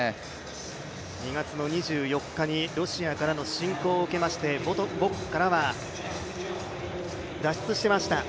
２月２４日にロシアからの侵攻を受けまして母国からは脱出しました